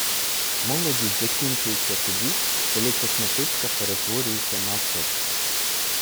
Молодість закінчується тоді, коли косметичка перетворюється на аптечку.